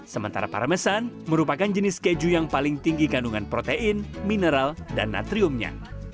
sementara parmesan merupakan jenis keju yang paling tinggi kandungan protein mineral dan natriumnya